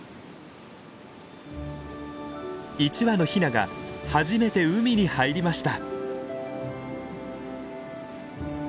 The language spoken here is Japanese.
１羽のヒナが初めて海に入りました。